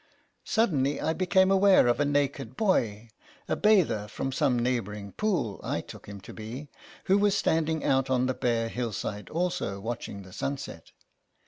Suddenly I became aware of a naked boy, a bather from some neighbouring pool, I took him to be, who was standing out on the bare hillside also watching the sunset.